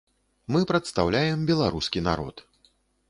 Мы прадстаўляем беларускі народ.